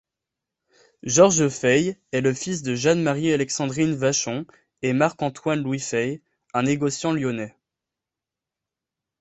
Georges Fay est le fils de Jeanne-Marie-Alexandrine Vachon et Marc-Antoine-Louis Fay, un négociant lyonnais.